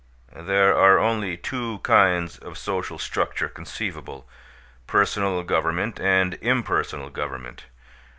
There are only two kinds of social structure conceivable personal government and impersonal government.